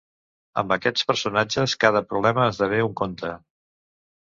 Amb aquests personatges, cada problema esdevé un conte.